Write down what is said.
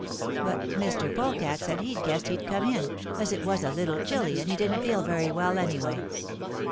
"But Mr. Polecat said he guessed he'd come in, as it was a little chilly and he didn't feel very well anyway.